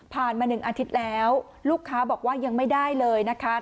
มา๑อาทิตย์แล้วลูกค้าบอกว่ายังไม่ได้เลยนะคะ